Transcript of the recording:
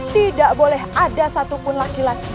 tidak boleh ada satupun laki laki